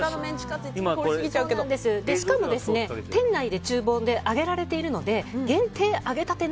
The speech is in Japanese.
しかも店内の厨房で揚げられているので限定揚げたて